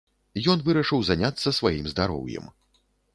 Ён вырашыў заняцца сваім здароўем.